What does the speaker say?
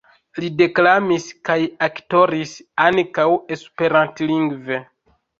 Li deklamis kaj aktoris ankaŭ Esperantlingve.